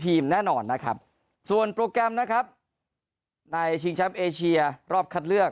แน่นอนนะครับส่วนโปรแกรมนะครับในชิงแชมป์เอเชียรอบคัดเลือก